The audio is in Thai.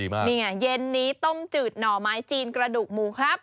นี่ไงเย็นนี้ต้มจืดหน่อไม้จีนกระดูกหมูครับ